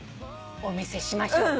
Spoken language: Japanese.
お見せしましょう。